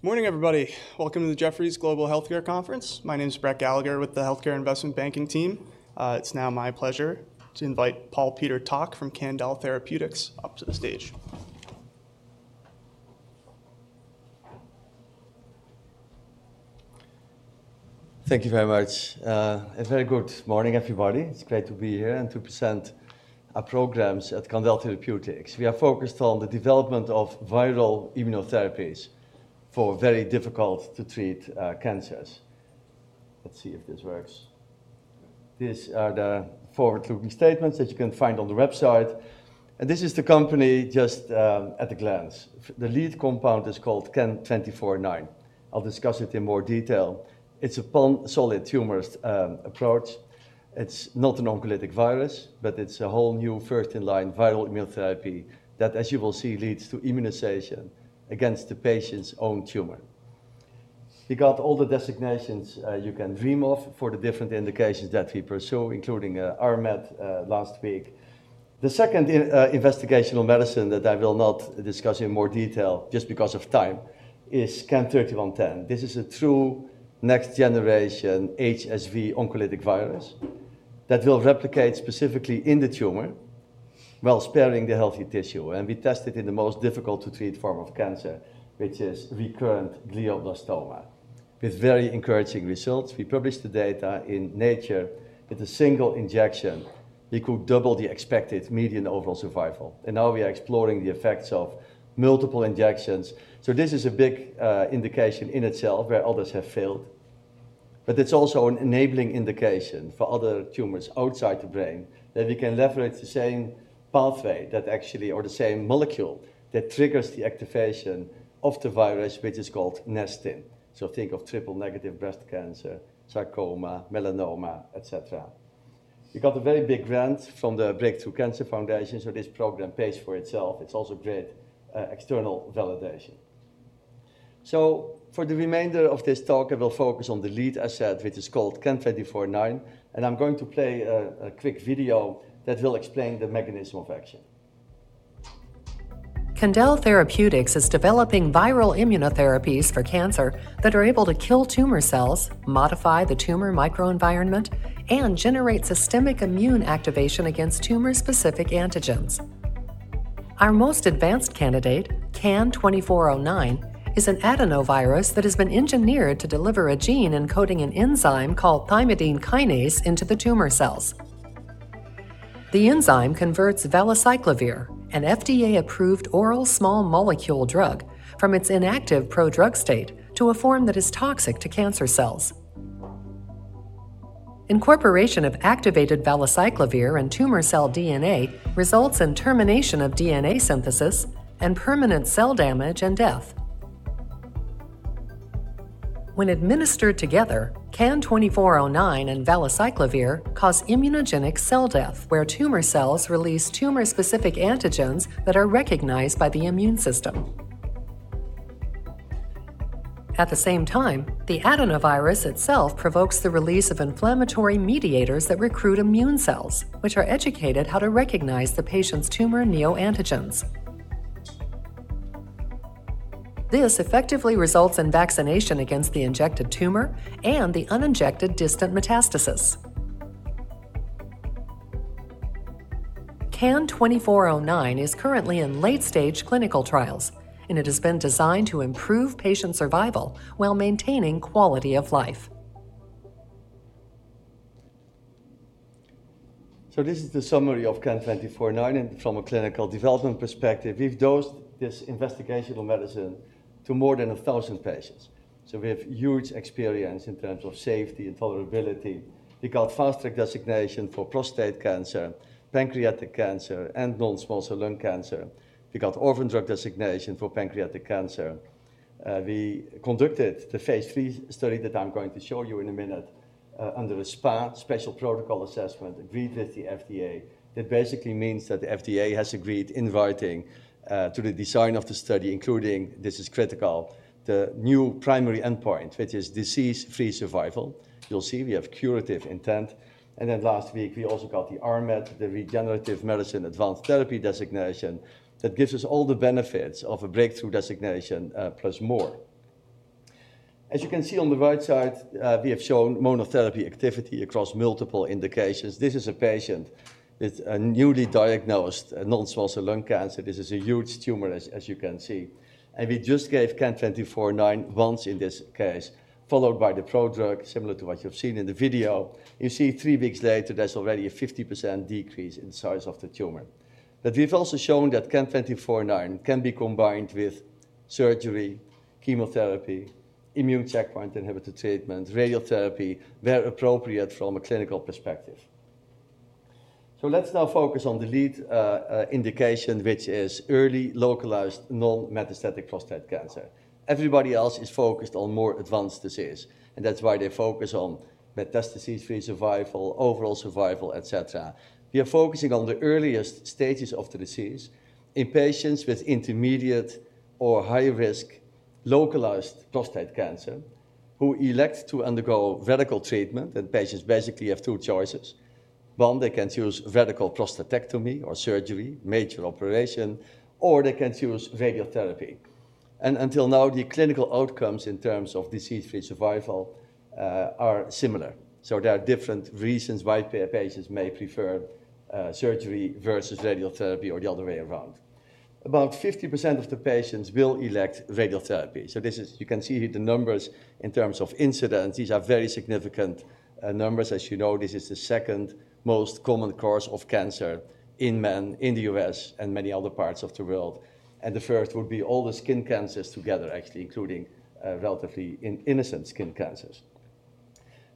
Morning, everybody. Welcome to the Jefferies Global Healthcare Conference. My name is Brett Gallagher with the Healthcare Investment Banking Team. It's now my pleasure to invite Paul Peter Tak, from Candel Therapeutics, up to the stage. Thank you very much. A very good morning, everybody. It's great to be here and to present our programs at Candel Therapeutics. We are focused on the development of viral immunotherapies for very difficult-to-treat cancers. Let's see if this works. These are the forward-looking statements that you can find on the website. This is the company just at a glance. The lead compound is called CAN-2409. I'll discuss it in more detail. It's a pan-solid tumor approach. It's not an oncolytic virus, but it's a whole new first-in-line viral immunotherapy that, as you will see, leads to immunization against the patient's own tumor. We got all the designations you can dream of for the different indications that we pursue, including RMAT last week. The second investigational medicine that I will not discuss in more detail just because of time is CAN-3110. This is a true next-generation HSV oncolytic virus that will replicate specifically in the tumor while sparing the healthy tissue. We test it in the most difficult-to-treat form of cancer, which is recurrent glioblastoma. With very encouraging results, we published the data in Nature that a single injection could double the expected median overall survival. We are now exploring the effects of multiple injections. This is a big indication in itself where others have failed. It is also an enabling indication for other tumors outside the brain that we can leverage the same pathway that actually, or the same molecule that triggers the activation of the virus, which is called Nestin. Think of triple-negative breast cancer, sarcoma, melanoma, et cetera. We got a very big grant from the Break Through Cancer foundation. This program pays for itself. It is also great external validation. For the remainder of this talk, I will focus on the lead asset, which is called CAN-2409. I'm going to play a quick video that will explain the mechanism of action. Candel Therapeutics is developing viral immunotherapies for cancer that are able to kill tumor cells, modify the tumor microenvironment, and generate systemic immune activation against tumor-specific antigens. Our most advanced candidate, CAN-2409, is an adenovirus that has been engineered to deliver a gene encoding an enzyme called thymidine kinase into the tumor cells. The enzyme converts valacyclovir, an FDA-approved oral small-molecule drug, from its inactive pro-drug state to a form that is toxic to cancer cells. Incorporation of activated valacyclovir and tumor cell DNA results in termination of DNA synthesis and permanent cell damage and death. When administered together, CAN-2409 and valacyclovir cause immunogenic cell death, where tumor cells release tumor-specific antigens that are recognized by the immune system. At the same time, the adenovirus itself provokes the release of inflammatory mediators that recruit immune cells, which are educated how to recognize the patient's tumor neoantigens. This effectively results in vaccination against the injected tumor and the uninjected distant metastasis. CAN-2409 is currently in late-stage clinical trials, and it has been designed to improve patient survival while maintaining quality of life. This is the summary of CAN-2409 from a clinical development perspective. We've dosed this investigational medicine to more than 1,000 patients. We have huge experience in terms of safety and tolerability. We got fast-track designation for prostate cancer, pancreatic cancer, and non-small cell lung cancer. We got orphan drug designation for pancreatic cancer. We conducted the phase III study that I'm going to show you in a minute under a SPA, special protocol assessment agreed with the FDA. That basically means that the FDA has agreed in writing to the design of the study, including, this is critical, the new primary endpoint, which is disease-free survival. You'll see we have curative intent. Last week, we also got the RMAT, the Regenerative Medicine Advanced Therapy designation that gives us all the benefits of a breakthrough designation plus more. As you can see on the right side, we have shown monotherapy activity across multiple indications. This is a patient with a newly diagnosed non-small cell lung cancer. This is a huge tumor, as you can see. We just gave CAN-2409 once in this case, followed by the pro-drug, similar to what you've seen in the video. You see three weeks later, there's already a 50% decrease in the size of the tumor. We have also shown that CAN-2409 can be combined with surgery, chemotherapy, immune checkpoint inhibitor treatment, radiotherapy, where appropriate from a clinical perspective. Let's now focus on the lead indication, which is early localized non-metastatic prostate cancer. Everybody else is focused on more advanced disease. That is why they focus on metastases, free survival, overall survival, etcetera. We are focusing on the earliest stages of the disease in patients with intermediate or high-risk localized prostate cancer who elect to undergo radical treatment. Patients basically have two choices. One, they can choose radical prostatectomy or surgery, major operation, or they can choose radiotherapy. Until now, the clinical outcomes in terms of disease-free survival are similar. There are different reasons why patients may prefer surgery versus radiotherapy or the other way around. About 50% of the patients will elect radiotherapy. You can see the numbers in terms of incidence. These are very significant numbers. As you know, this is the second most common cause of cancer in men in the US and many other parts of the world. The first would be all the skin cancers together, actually, including relatively innocent skin cancers.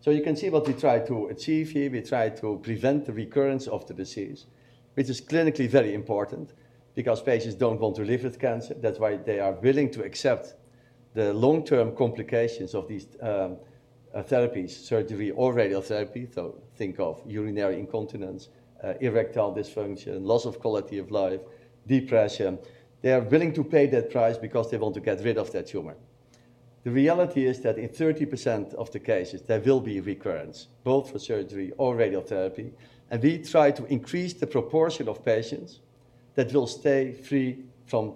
You can see what we try to achieve here. We try to prevent the recurrence of the disease, which is clinically very important because patients do not want to live with cancer. That is why they are willing to accept the long-term complications of these therapies, surgery or radiotherapy. Think of urinary incontinence, erectile dysfunction, loss of quality of life, depression. They are willing to pay that price because they want to get rid of that tumor. The reality is that in 30% of the cases, there will be recurrence, both for surgery or radiotherapy. We try to increase the proportion of patients that will stay free from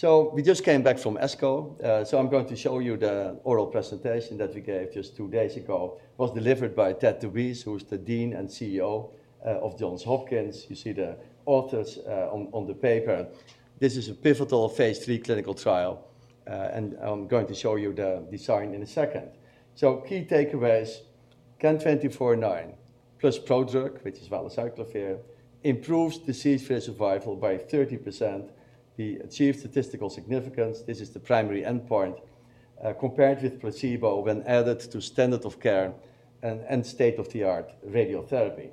tumor. We just came back from ASCO. I am going to show you the oral presentation that we gave just two days ago. It was delivered by Ted DeWeese, who is the Dean and CEO of Johns Hopkins. You see the authors on the paper. This is a pivotal phase III clinical trial. I'm going to show you the design in a second. Key takeaways, CAN-2409 plus pro-drug, which is valacyclovir, improves disease-free survival by 30%. We achieved statistical significance. This is the primary endpoint compared with placebo when added to standard of care and state-of-the-art radiotherapy.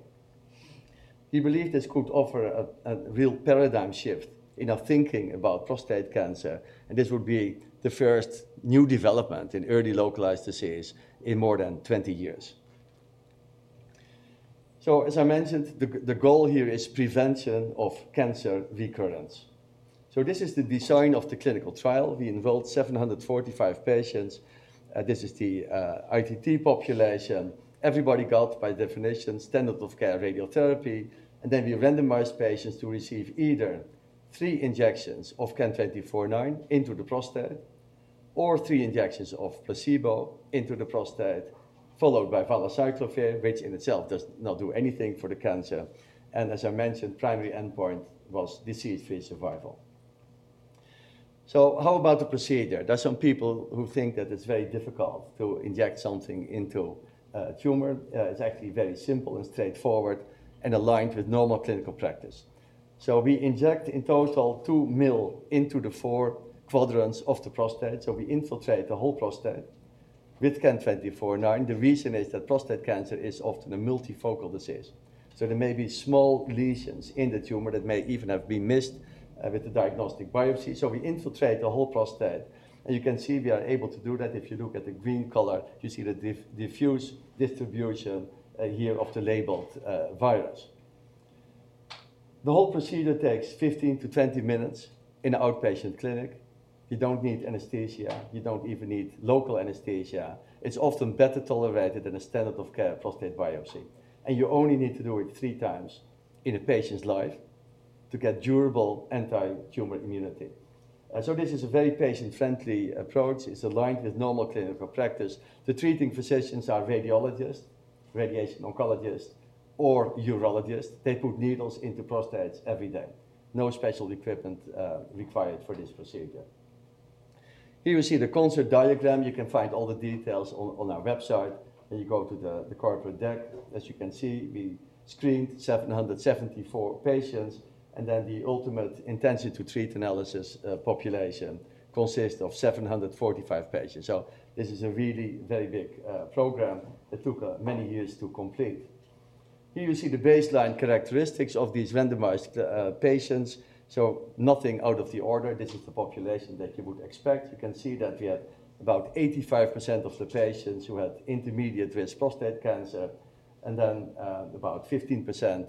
We believe this could offer a real paradigm shift in our thinking about prostate cancer. This would be the first new development in early localized disease in more than 20 years. As I mentioned, the goal here is prevention of cancer recurrence. This is the design of the clinical trial. We involved 745 patients. This is the ITT population. Everybody got, by definition, standard of care radiotherapy. We randomized patients to receive either three injections of CAN-2409 into the prostate or three injections of placebo into the prostate, followed by valacyclovir, which in itself does not do anything for the cancer. As I mentioned, the primary endpoint was disease-free survival. How about the procedure? There are some people who think that it's very difficult to inject something into a tumor. It's actually very simple and straightforward and aligned with normal clinical practice. We inject in total 2 ml into the four quadrants of the prostate. We infiltrate the whole prostate with CAN-2409. The reason is that prostate cancer is often a multifocal disease. There may be small lesions in the tumor that may even have been missed with the diagnostic biopsy. We infiltrate the whole prostate. You can see we are able to do that. If you look at the green color, you see the diffuse distribution here of the labeled virus. The whole procedure takes 15 to 20 minutes in an outpatient clinic. You don't need anesthesia. You don't even need local anesthesia. It's often better tolerated than a standard of care prostate biopsy. You only need to do it three times in a patient's life to get durable anti-tumor immunity. This is a very patient-friendly approach. It's aligned with normal clinical practice. The treating physicians are radiologists, radiation oncologists, or urologists. They put needles into prostates every day. No special equipment required for this procedure. Here you see the concert diagram. You can find all the details on our website. You go to the corporate deck. As you can see, we screened 774 patients. The ultimate intensity to treat analysis population consists of 745 patients. This is a really very big program that took many years to complete. Here you see the baseline characteristics of these randomized patients. Nothing out of the order. This is the population that you would expect. You can see that we had about 85% of the patients who had intermediate-risk prostate cancer. About 15%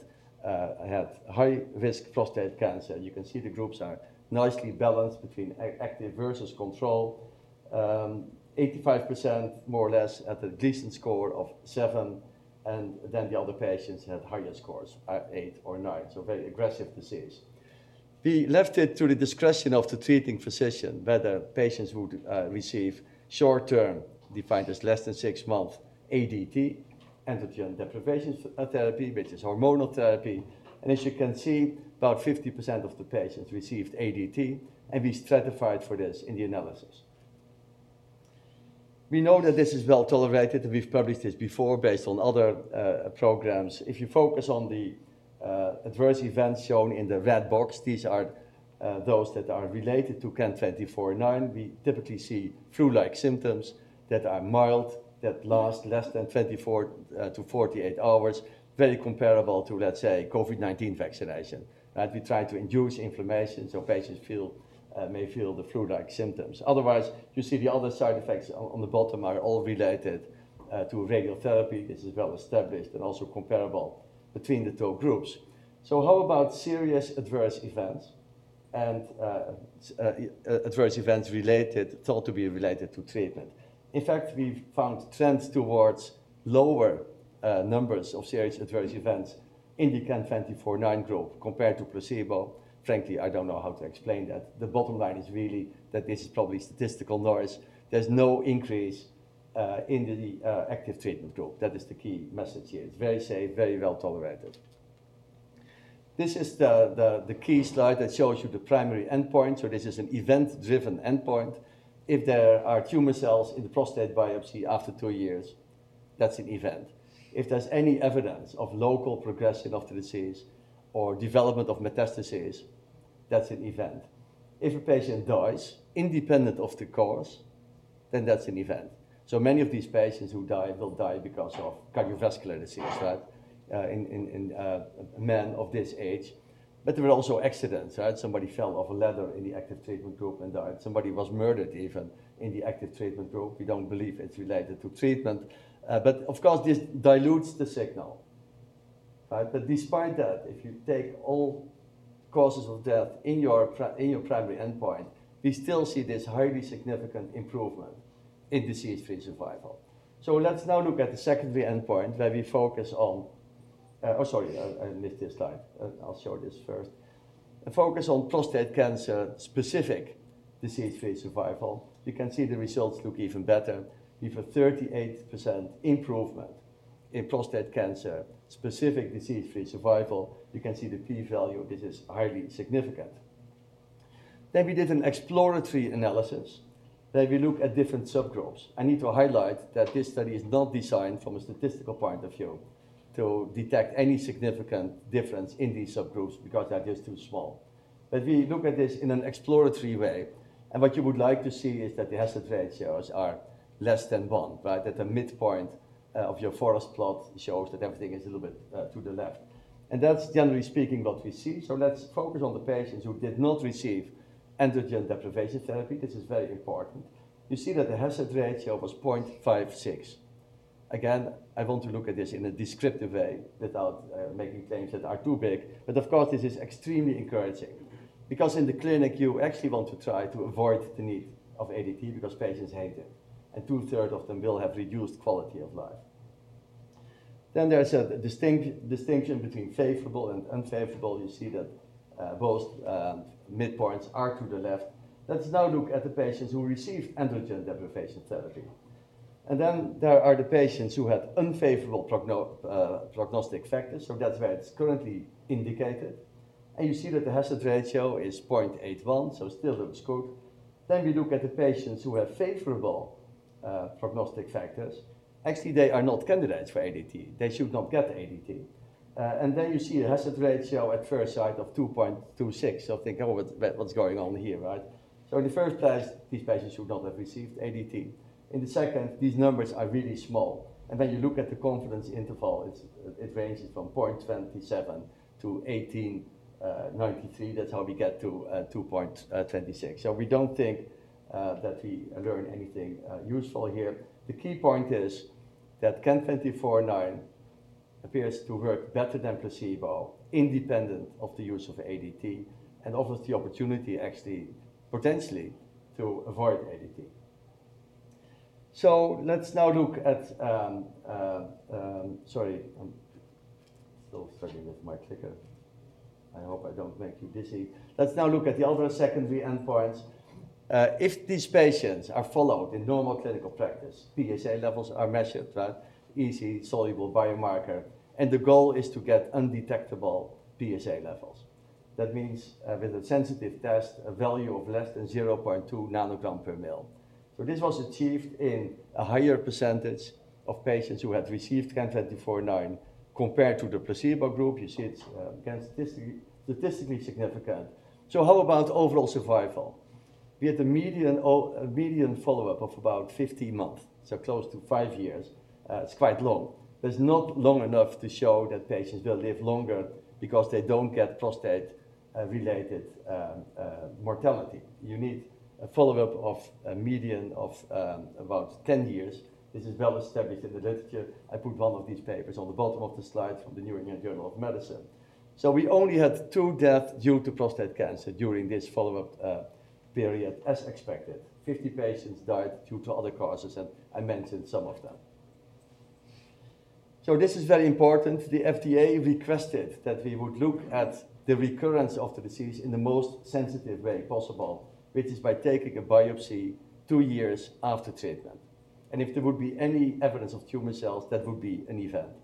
had high-risk prostate cancer. You can see the groups are nicely balanced between active versus control. 85%, more or less, had a Gleason score of 7. The other patients had higher scores, 8 or 9. Very aggressive disease. We left it to the discretion of the treating physician whether patients would receive short-term, defined as less than six months, ADT, androgen deprivation therapy, which is hormonal therapy. As you can see, about 50% of the patients received ADT. We stratified for this in the analysis. We know that this is well tolerated. We've published this before based on other programs. If you focus on the adverse events shown in the red box, these are those that are related to CAN-2409. We typically see flu-like symptoms that are mild, that last less than 24-48 hours, very comparable to, let's say, COVID-19 vaccination. We try to induce inflammation so patients may feel the flu-like symptoms. Otherwise, you see the other side effects on the bottom are all related to radiotherapy. This is well established and also comparable between the two groups. How about serious adverse events and adverse events thought to be related to treatment? In fact, we found trends towards lower numbers of serious adverse events in the CAN-2409 group compared to placebo. Frankly, I don't know how to explain that. The bottom line is really that this is probably statistical noise. There's no increase in the active treatment group. That is the key message here. It's very safe, very well tolerated. This is the key slide that shows you the primary endpoint. This is an event-driven endpoint. If there are tumor cells in the prostate biopsy after two years, that's an event. If there's any evidence of local progression of the disease or development of metastasis, that's an event. If a patient dies independent of the cause, then that's an event. Many of these patients who die will die because of cardiovascular disease, right, in men of this age. There were also accidents, right? Somebody fell off a ladder in the active treatment group and died. Somebody was murdered even in the active treatment group. We don't believe it's related to treatment. Of course, this dilutes the signal. Despite that, if you take all causes of death in your primary endpoint, we still see this highly significant improvement in disease-free survival. Let's now look at the secondary endpoint where we focus on, oh, sorry, I missed this slide. I'll show this first. Focus on prostate cancer specific disease-free survival. You can see the results look even better. We have a 38% improvement in prostate cancer specific disease-free survival. You can see the p-value. This is highly significant. We did an exploratory analysis. We look at different subgroups. I need to highlight that this study is not designed from a statistical point of view to detect any significant difference in these subgroups because they're just too small. We look at this in an exploratory way. What you would like to see is that the hazard ratios are less than 1, right? That the midpoint of your forest plot shows that everything is a little bit to the left. That's, generally speaking, what we see. Let's focus on the patients who did not receive androgen deprivation therapy. This is very important. You see that the hazard ratio was 0.56. Again, I want to look at this in a descriptive way without making claims that are too big. Of course, this is extremely encouraging. In the clinic, you actually want to try to avoid the need of ADT because patients hate it. Two-thirds of them will have reduced quality of life. There is a distinction between favorable and unfavorable. You see that both midpoints are to the left. Let's now look at the patients who received androgen deprivation therapy. There are the patients who had unfavorable prognostic factors. That's where it's currently indicated. You see that the hazard ratio is 0.81, so still the scope. Then we look at the patients who have favorable prognostic factors. Actually, they are not candidates for ADT. They should not get ADT. You see a hazard ratio at first sight of 2.26. Think, oh, what's going on here, right? In the first place, these patients should not have received ADT. In the second, these numbers are really small. You look at the confidence interval. It ranges from 0.27 to 1893. That is how we get to 2.26. We do not think that we learn anything useful here. The key point is that CAN-2409 appears to work better than placebo, independent of the use of ADT, and offers the opportunity, actually, potentially, to avoid ADT. Let's now look at, sorry, I am still struggling with my clicker. I hope I don't make you dizzy. Let's now look at the other secondary endpoints. If these patients are followed in normal clinical practice, PSA levels are measured, right? Easy, soluble biomarker. The goal is to get undetectable PSA levels. That means with a sensitive test, a value of less than 0.2 ng per mil. This was achieved in a higher percentage of patients who had received CAN-2409 compared to the placebo group. You see it's statistically significant. How about overall survival? We had a median follow-up of about 50 months, so close to five years. It's quite long. It's not long enough to show that patients will live longer because they don't get prostate-related mortality. You need a follow-up of a median of about 10 years. This is well established in the literature. I put one of these papers on the bottom of the slide from The New England Journal of Medicine. We only had two deaths due to prostate cancer during this follow-up period, as expected. Fifty patients died due to other causes, and I mentioned some of them. This is very important. The FDA requested that we would look at the recurrence of the disease in the most sensitive way possible, which is by taking a biopsy two years after treatment. If there would be any evidence of tumor cells, that would be an event.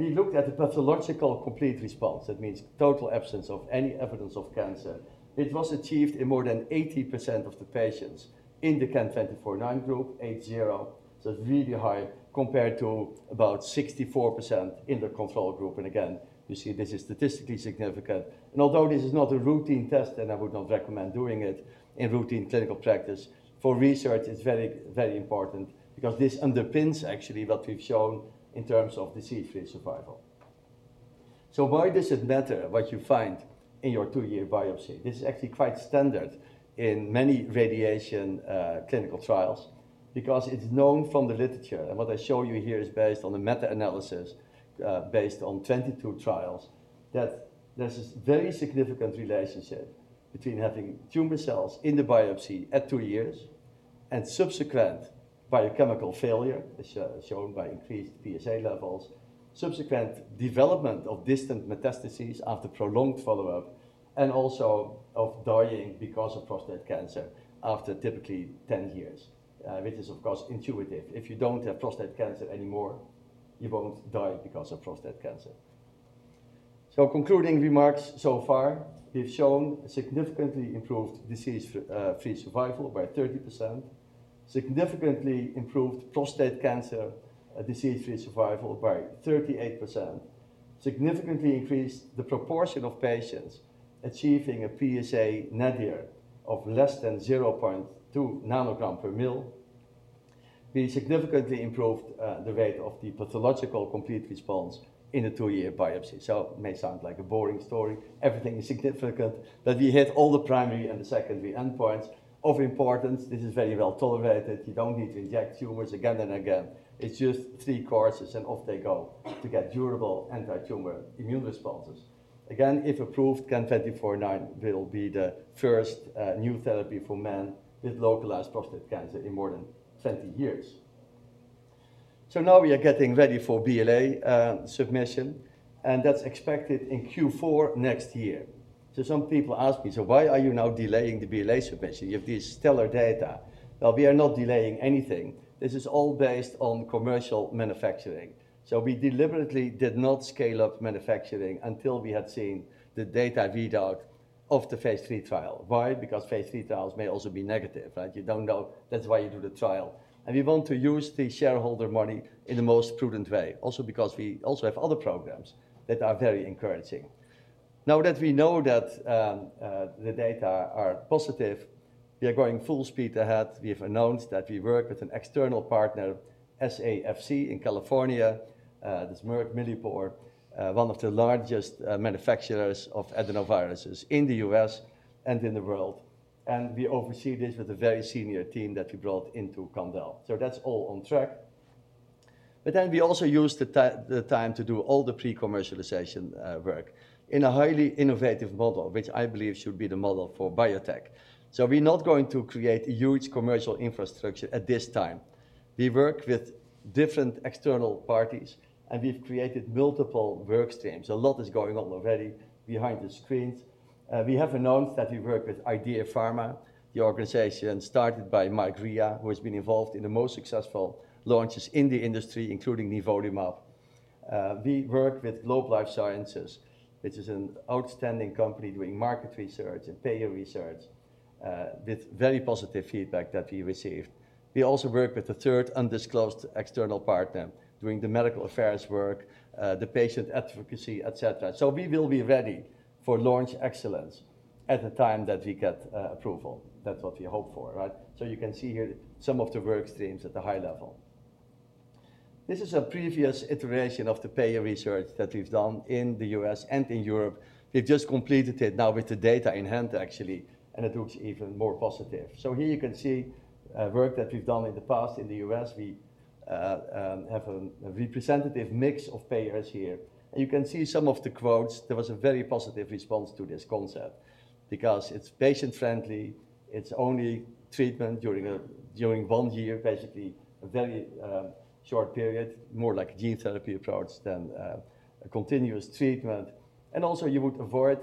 We looked at the pathological complete response. That means total absence of any evidence of cancer. It was achieved in more than 80% of the patients in the CAN-2409 group, 80. It is really high compared to about 64% in the control group. Again, you see this is statistically significant. Although this is not a routine test, and I would not recommend doing it in routine clinical practice, for research, it is very, very important because this underpins, actually, what we have shown in terms of disease-free survival. Why does it matter what you find in your two-year biopsy? This is actually quite standard in many radiation clinical trials because it is known from the literature. What I show you here is based on a meta-analysis based on 22 trials that there is a very significant relationship between having tumor cells in the biopsy at two years and subsequent biochemical failure, as shown by increased PSA levels, subsequent development of distant metastases after prolonged follow-up, and also of dying because of prostate cancer after typically 10 years, which is, of course, intuitive. If you do not have prostate cancer anymore, you will not die because of prostate cancer. Concluding remarks so far, we've shown a significantly improved disease-free survival by 30%, significantly improved prostate cancer disease-free survival by 38%, significantly increased the proportion of patients achieving a PSA nadir of less than 0.2 ng per mil. We significantly improved the rate of the pathological complete response in a two-year biopsy. It may sound like a boring story. Everything is significant. That we hit all the primary and the secondary endpoints of importance. This is very well tolerated. You don't need to inject tumors again and again. It's just three courses, and off they go to get durable anti-tumor immune responses. Again, if approved, CAN-2409 will be the first new therapy for men with localized prostate cancer in more than 20 years. Now we are getting ready for BLA submission. That's expected in Q4 next year. Some people ask me, so why are you now delaying the BLA submission? You have these stellar data. We are not delaying anything. This is all based on commercial manufacturing. We deliberately did not scale up manufacturing until we had seen the data readout of the phase three trial. Why? Because phase three trials may also be negative, right? You do not know. That is why you do the trial. We want to use the shareholder money in the most prudent way, also because we also have other programs that are very encouraging. Now that we know that the data are positive, we are going full speed ahead. We have announced that we work with an external partner, SAFC, in California. That is Merck Millipore, one of the largest manufacturers of adenoviruses in the U.S. and in the world. We oversee this with a very senior team that we brought into Candel. That is all on track. We also use the time to do all the pre-commercialization work in a highly innovative model, which I believe should be the model for biotech. We are not going to create a huge commercial infrastructure at this time. We work with different external parties, and we have created multiple work streams. A lot is going on already behind the screens. We have announced that we work with IDEA Pharma, the organization started by Mike Rea, who has been involved in the most successful launches in the industry, including Nivolumab. We work with Globe Life Sciences, which is an outstanding company doing market research and payer research with very positive feedback that we received. We also work with a third undisclosed external partner doing the medical affairs work, the patient advocacy, et cetera. We will be ready for launch excellence at the time that we get approval. That is what we hope for, right? You can see here some of the work streams at the high level. This is a previous iteration of the payer research that we have done in the U.S. and in Europe. We have just completed it now with the data in hand, actually, and it looks even more positive. Here you can see work that we have done in the past in the U.S. We have a representative mix of payers here. You can see some of the quotes. There was a very positive response to this concept because it is patient-friendly. It's only treatment during one year, basically a very short period, more like a gene therapy approach than a continuous treatment. You would avoid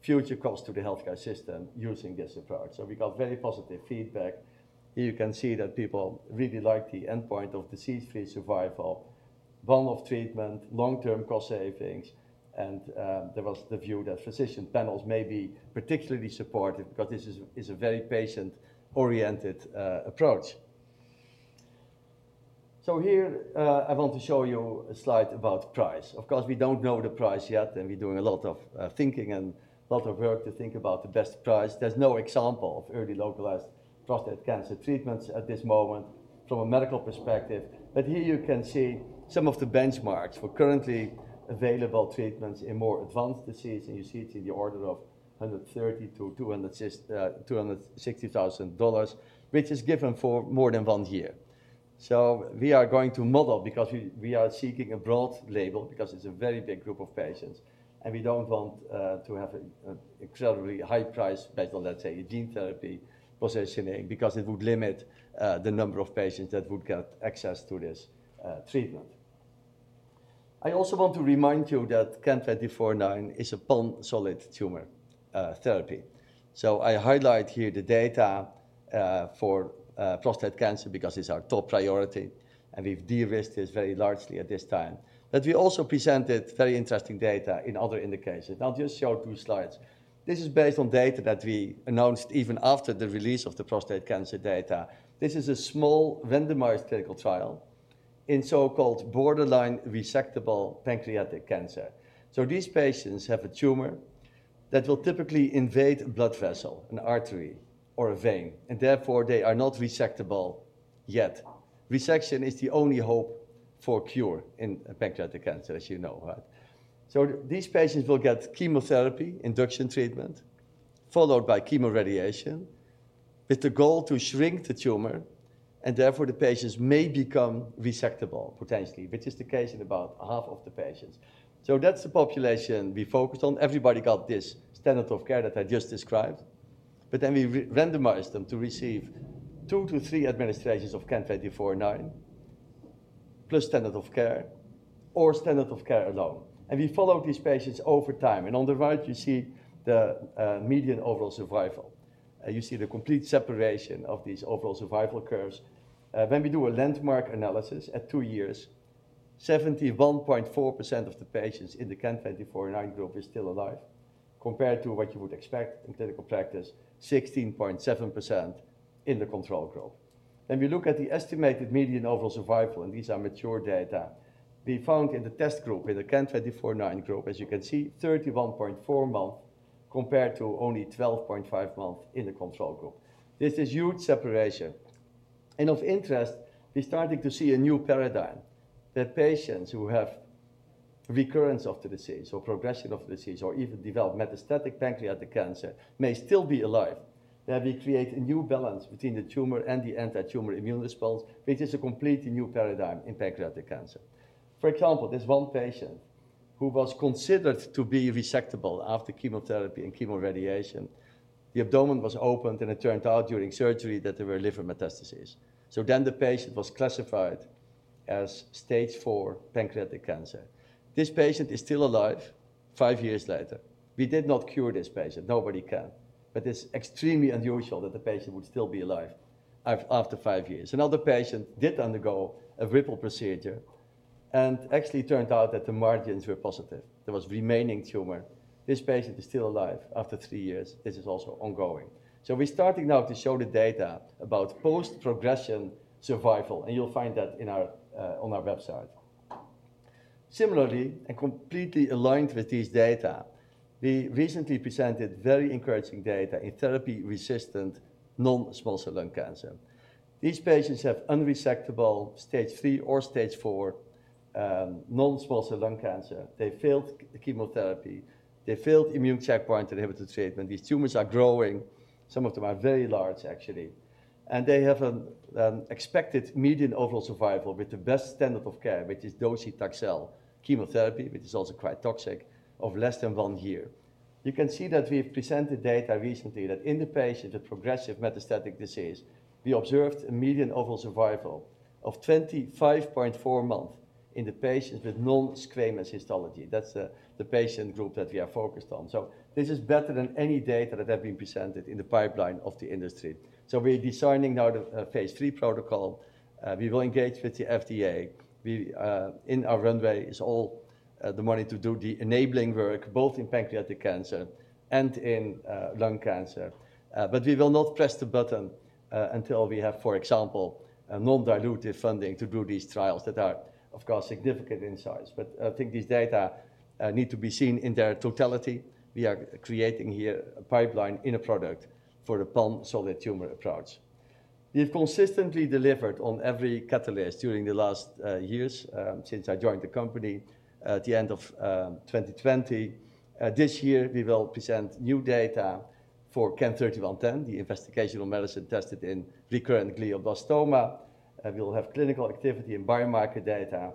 future costs to the healthcare system using this approach. We got very positive feedback. Here you can see that people really like the endpoint of disease-free survival, one-off treatment, long-term cost savings. There was the view that physician panels may be particularly supportive because this is a very patient-oriented approach. Here, I want to show you a slide about price. Of course, we do not know the price yet, and we're doing a lot of thinking and a lot of work to think about the best price. There is no example of early localized prostate cancer treatments at this moment from a medical perspective. Here you can see some of the benchmarks for currently available treatments in more advanced disease. You see it's in the order of $130,000-$260,000, which is given for more than one year. We are going to model because we are seeking a broad label because it's a very big group of patients. We don't want to have an extraordinarily high-priced, let's say, gene therapy positioning because it would limit the number of patients that would get access to this treatment. I also want to remind you that CAN-2409 is a pan-solid tumor therapy. I highlight here the data for prostate cancer because it's our top priority, and we've de-risked this very largely at this time. We also presented very interesting data in other indications. I'll just show two slides. This is based on data that we announced even after the release of the prostate cancer data. This is a small randomized clinical trial in so-called borderline resectable pancreatic cancer. These patients have a tumor that will typically invade a blood vessel, an artery, or a vein, and therefore they are not resectable yet. Resection is the only hope for cure in pancreatic cancer, as you know, right? These patients will get chemotherapy, induction treatment, followed by chemoradiation with the goal to shrink the tumor. Therefore, the patients may become resectable potentially, which is the case in about half of the patients. That is the population we focused on. Everybody got this standard of care that I just described. Then we randomized them to receive two to three administrations of CAN-2409 plus standard of care or standard of care alone. We followed these patients over time. On the right, you see the median overall survival. You see the complete separation of these overall survival curves. When we do a landmark analysis at two years, 71.4% of the patients in the CAN-2409 group are still alive compared to what you would expect in clinical practice, 16.7% in the control group. We look at the estimated median overall survival, and these are mature data. We found in the test group, in the CAN-2409 group, as you can see, 31.4 months compared to only 12.5 months in the control group. This is huge separation. Of interest, we're starting to see a new paradigm that patients who have recurrence of the disease or progression of the disease or even develop metastatic pancreatic cancer may still be alive. We create a new balance between the tumor and the anti-tumor immune response, which is a completely new paradigm in pancreatic cancer. For example, there's one patient who was considered to be resectable after chemotherapy and chemoradiation. The abdomen was opened, and it turned out during surgery that there were liver metastases. The patient was classified as stage four pancreatic cancer. This patient is still alive five years later. We did not cure this patient. Nobody can. It is extremely unusual that the patient would still be alive after five years. Another patient did undergo a RIPPLE procedure, and it turned out that the margins were positive. There was remaining tumor. This patient is still alive after three years. This is also ongoing. We are starting now to show the data about post-progression survival, and you will find that on our website. Similarly, and completely aligned with these data, we recently presented very encouraging data in therapy-resistant non-small cell lung cancer. These patients have unresectable stage three or stage four non-small cell lung cancer. They failed chemotherapy. They failed immune checkpoint inhibitor treatment. These tumors are growing. Some of them are very large, actually. They have an expected median overall survival with the best standard of care, which is docetaxel chemotherapy, which is also quite toxic, of less than one year. You can see that we've presented data recently that in the patient with progressive metastatic disease, we observed a median overall survival of 25.4 months in the patients with non-squamous histology. That's the patient group that we are focused on. This is better than any data that have been presented in the pipeline of the industry. We are designing now the phase three protocol. We will engage with the FDA. In our runway is all the money to do the enabling work, both in pancreatic cancer and in lung cancer. We will not press the button until we have, for example, non-dilutive funding to do these trials that are, of course, significant in size. I think these data need to be seen in their totality. We are creating here a pipeline in a product for the palm-solid tumor approach. We have consistently delivered on every catalyst during the last years since I joined the company at the end of 2020. This year, we will present new data for CAN-3110, the investigational medicine tested in recurrent glioblastoma. We will have clinical activity in biomarker data.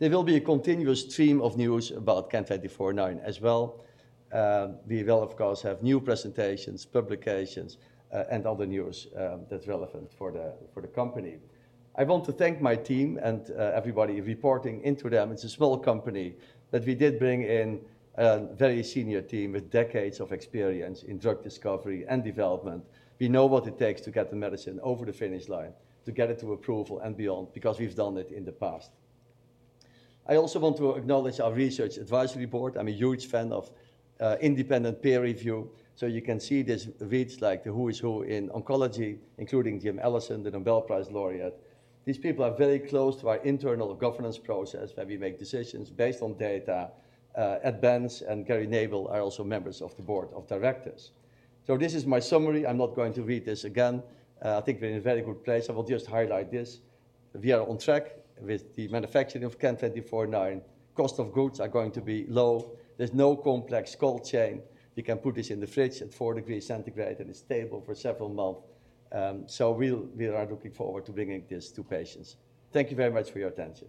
There will be a continuous stream of news about CAN-2409 as well. We will, of course, have new presentations, publications, and other news that's relevant for the company. I want to thank my team and everybody reporting into them. It's a small company that we did bring in a very senior team with decades of experience in drug discovery and development. We know what it takes to get the medicine over the finish line, to get it to approval and beyond, because we've done it in the past. I also want to acknowledge our research advisory board. I'm a huge fan of independent peer review. You can see this reads like the who is who in oncology, including Jim Allison, the Nobel Prize laureate. These people are very close to our internal governance process where we make decisions based on data, and Gary Nabel is also a member of the board of directors. This is my summary. I'm not going to read this again. I think we're in a very good place. I will just highlight this. We are on track with the manufacturing of CAN-2409. Cost of goods are going to be low. There's no complex cold chain. We can put this in the fridge at four degrees Celsius, and it's stable for several months. We are looking forward to bringing this to patients. Thank you very much for your attention.